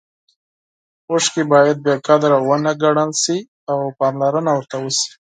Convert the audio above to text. اوښکې باید بې قدره ونه ګڼل شي او پاملرنه ورته وشي.